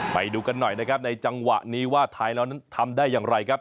ไปดูกันหน่อยนะครับในจังหวะนี้ว่าท้ายแล้วนั้นทำได้อย่างไรครับ